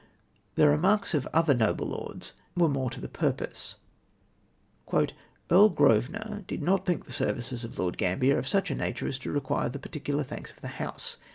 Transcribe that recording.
The remarks of other noble lords were more to the pm'pose :—" Earl Grosvenor did not think the services of Lord Gam bier of such a nature as to require the particular thanks of the House.